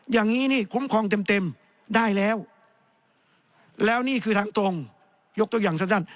อย่างนี้นี่คุ้มครองเต็มได้แล้วแล้วนี่คือทางตรงยกตัวอย่างสั้น